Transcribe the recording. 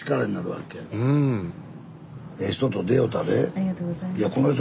ありがとうございます。